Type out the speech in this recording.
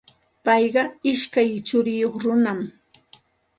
Payqa ishkay churiyuq runam.